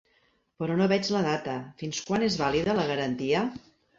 Però no veig la data, fins quan és vàlida la garantia?